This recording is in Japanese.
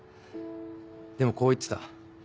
でもこう言ってた。